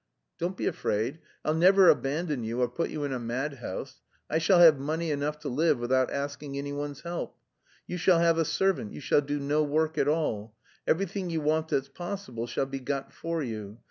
Don't be afraid. I'll never abandon you or put you in a madhouse. I shall have money enough to live without asking anyone's help. You shall have a servant, you shall do no work at all. Everything you want that's possible shall be got for you.